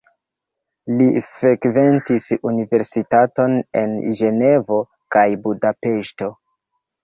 Li frekventis universitaton en Ĝenevo kaj Budapeŝto.